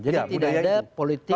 jadi tidak ada politik dan nam